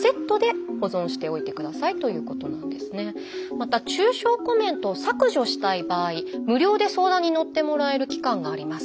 また中傷コメントを削除したい場合無料で相談にのってもらえる機関があります。